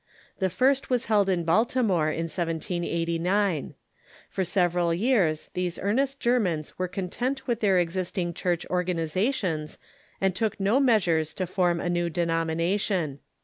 The first was held in Baltimore in 1789. For several years these earnest Germans were content with tlicir existing Church organizations, and took no measures to form a new denomina tion.